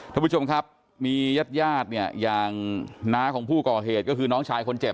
ท่านผู้ชมครับมีญาติญาติเนี่ยอย่างน้าของผู้ก่อเหตุก็คือน้องชายคนเจ็บ